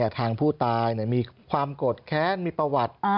ทางผู้ตายมีความโกรธแค้นมีประวัติ